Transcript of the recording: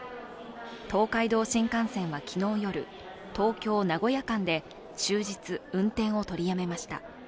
東海道新幹線は昨日夜、東京−名古屋間で終日、運転を取りやめました。